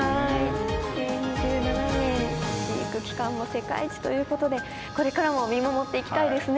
２７年飼育期間も世界一ということでこれからも見守っていきたいですね。